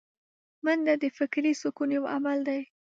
منډه د فکري سکون یو عمل دی